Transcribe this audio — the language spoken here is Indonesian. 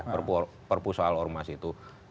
perpu ya perpu soal ormas itu